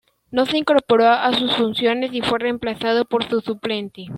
No se incorporó a sus funciones y fue remplazado por su suplente.